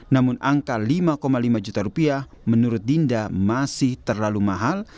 namun angka lima lima juta rupiah menurut dinda masih terlalu mahal